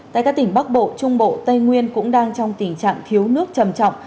tại các tỉnh bắc bộ trung bộ tây nguyên cũng đang trong tình trạng thiếu nước trầm trọng